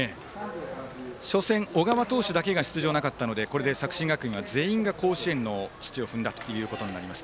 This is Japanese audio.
初戦、小川投手だけが出場がなかったのでこれで作新学院、全員が甲子園の土を踏んだということになります。